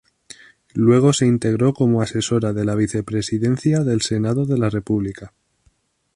Luego se integró como asesora de la Vicepresidencia del Senado de la República.